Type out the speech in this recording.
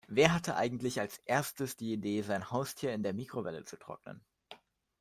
Wer hatte eigentlich als Erstes die Idee, sein Haustier in der Mikrowelle zu trocknen?